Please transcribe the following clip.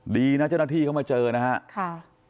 ดีนะเจ้าหน้าที่เข้ามาเจอนะครับ